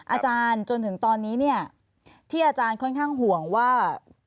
อาจารย์จนถึงตอนนี้ที่อาจารย์ค่อนข้างห่วงว่า